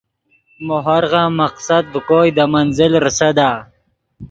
مو ہورغن مقصد ڤے کوئے دے منزل ریسدا